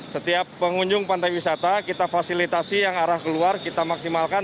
setiap pengunjung pantai wisata kita fasilitasi yang arah keluar kita maksimalkan